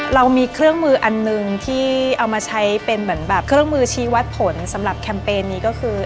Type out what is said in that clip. เรามีเครื่องมืออันหนึ่งที่เอามาใช้เป็นเหมือนแบบเครื่องมือชี้วัดผลสำหรับแคมเปญนี้ก็คือ